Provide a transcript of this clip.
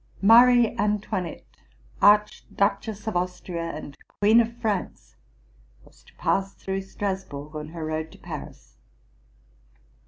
Marie Antoinette, Archduchess of Austria and Queen of France, was to pass through Stras burg on her road to Paris.